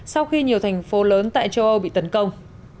sau khi nhiều thành phố lớn tại châu âu bị tấn công